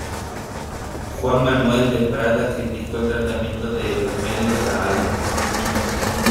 Juan Manuel de Prada criticó el tratamiento de los medios a Álvarez.